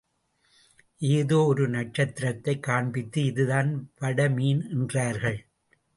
ஏதோ ஒரு நட்சத்திரத்தைக் காண்பித்து இதுதான் வடமீன் என்றார்கள்.